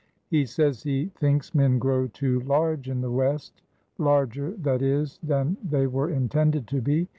He says he thinks men grow too large in the West,— larger, that is, than they were intended to be.